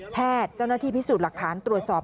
เจ้าหน้าที่พิสูจน์หลักฐานตรวจสอบ